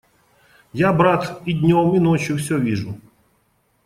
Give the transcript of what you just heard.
Я, брат, и днем и ночью все вижу.